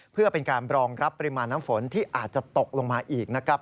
เพื่อเป็นการรองรับปริมาณน้ำฝนที่อาจจะตกลงมาอีกนะครับ